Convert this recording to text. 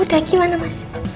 udah gimana mas